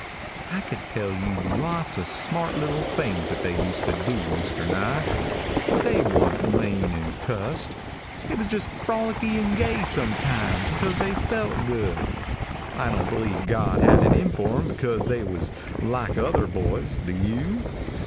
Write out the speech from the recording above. "I could tell you lots of smart little things that they used to do, Mr. Nye, but they wa'n't mean and cussed. They was just frolicky and gay sometimes because they felt good. I don't believe God had it in for 'em bekuz they was like other boys, do you?